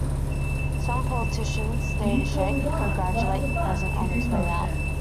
Some politicians stay to shake, congratulate the President on his way out.